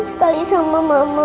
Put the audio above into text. sekali sama mama